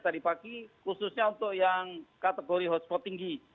tadi pagi khususnya untuk yang kategori hotspot tinggi